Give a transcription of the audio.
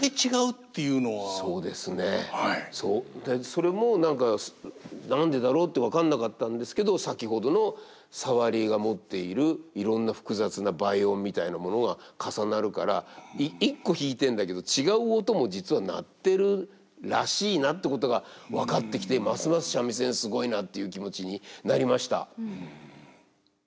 それも何か何でだろうって分かんなかったんですけど先ほどのサワリが持っているいろんな複雑な倍音みたいなものが重なるから一個弾いてんだけど違う音も実は鳴ってるらしいなってことが分かってきてますます三味線すごいなっていう気持ちになりました。